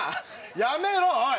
やめろおい！